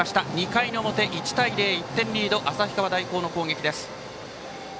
２回の表、１対０１点リード、旭川大高の攻撃です。